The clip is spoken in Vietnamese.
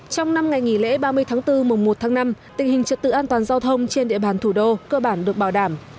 trong năm ngày nghỉ lễ ba mươi tháng bốn mùa một tháng năm tình hình trật tự an toàn giao thông trên địa bàn thủ đô cơ bản được bảo đảm